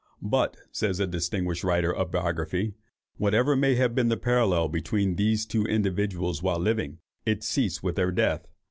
"But," says a distinguished writer of biography, "whatever may have been the parallel between these two individuals while living, it ceased with their death.